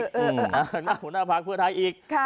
คุณนางอธิตาธรวัญชัยชนะวงศ์ภาคเพื่อไทยอีก